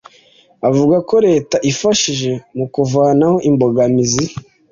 avuga ko Leta ifashije mu kuvanaho imbogamizi